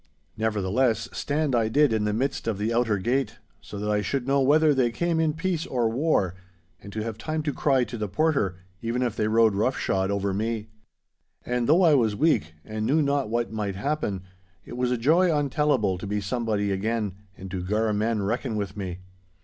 Nevertheless, stand I did in the midst of the outer gate, so that I should know whether they came in peace or war, and to have time to cry to the porter, even if they rode roughshod over me. And though I was weak, and knew not what might happen, it was a joy untellable to be somebody again, and to gar men reckon with me.